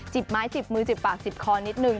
ไม้จิบมือจิบปากจิบคอนิดนึง